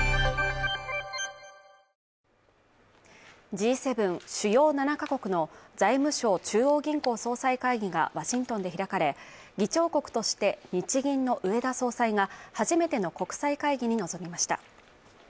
Ｇ７＝主要７カ国の財務相・中央銀行総裁会議がワシントンで開かれ議長国として、日銀の植田総裁が初めての国際会議に臨みました。